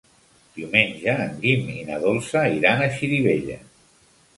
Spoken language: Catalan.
Diumenge en Guim i na Dolça iran a Xirivella.